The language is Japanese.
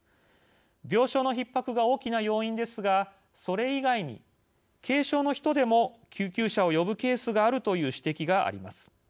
病床のひっ迫が大きな要因ですがそれ以外に軽症の人でも救急車を呼ぶケースがあるという指摘があります。